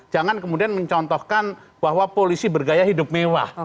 jangan kemudian mencontohkan bahwa polisi bergaya hidup mewah